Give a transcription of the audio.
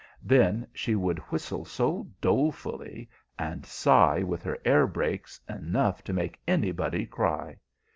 Then she would whistle so dolefully, and sigh with her air brakes enough to make anybody cry.